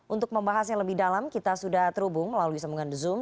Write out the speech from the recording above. untuk membahasnya lebih dalam kita sudah terhubung melalui sambungan zoom